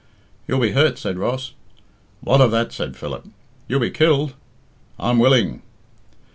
"You'll be hurt," said Ross. "What of that?" said Philip. "You'll be killed." "I'm willing."